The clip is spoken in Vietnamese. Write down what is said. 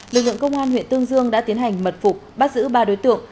lực lượng công an huyện tương dương đã tiến hành mật phục bắt giữ ba đối tượng